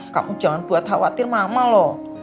kamu jangan buat khawatir mama loh